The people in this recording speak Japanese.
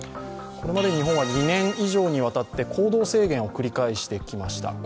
これまで日本は２年以上にわたって行動制限を繰り返してきました。